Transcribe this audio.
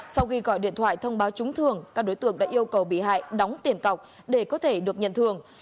sau khi gọi điện thoại thông báo trúng thường các đối tượng đã yêu cầu bị hại đóng tiền cọc để có thể được nhận thường